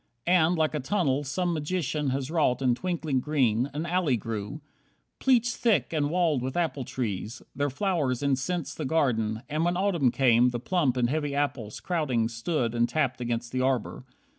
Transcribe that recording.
And, like a tunnel some magician Has wrought in twinkling green, an alley grew, Pleached thick and walled with apple trees; their flowers Incensed the garden, and when Autumn came The plump and heavy apples crowding stood And tapped against the arbour.